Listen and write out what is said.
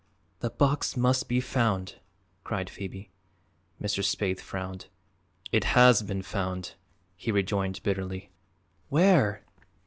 "That box must be found!" cried Phoebe. Mr. Spaythe frowned. "It has been found," he rejoined bitterly. "Where?"